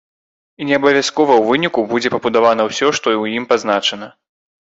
І не абавязкова ў выніку будзе пабудавана ўсё, што ў ім пазначана.